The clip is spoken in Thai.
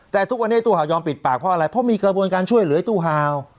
แต่ทุกวันนี้ตู้ห่าวยอมปิดปากเพราะอะไรเพราะมีกระบวนการช่วยเหลือตู้ฮาว